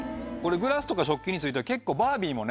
グラスとか食器については結構バービーもね